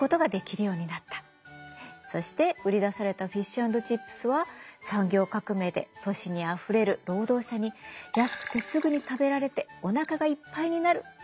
そして売り出されたフィッシュ＆チップスは産業革命で都市にあふれる労働者に「安くてすぐに食べられておなかがいっぱいになる！」と大ウケした。